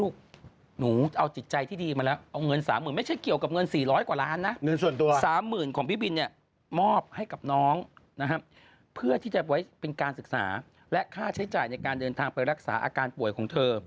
ค่าใช้จ่ายในการเดินทางไปรักษาอาการป่วยของเธอ